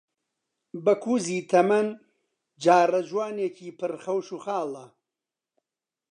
بەکووزی تەمەن جاڕەجوانێکی پڕ خەوش و خاڵە،